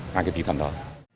hai cái tính thẩm đó